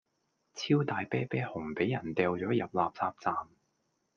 超大啤啤熊俾人掉左入垃圾站